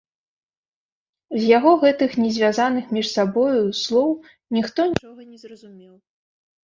З яго гэтых, не звязаных між сабою, слоў ніхто нічога не зразумеў.